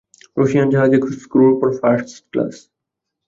Russian জাহাজে ষ্ক্রুর উপর first class.